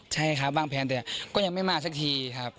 ใช่ครับวางแผนแต่ก็ยังไม่มาสักทีครับ